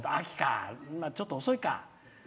ちょっと遅いか。